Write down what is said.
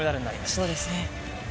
そうですね。